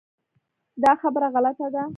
دا خبره غلطه ده .